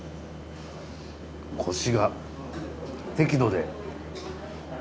コシが適度で。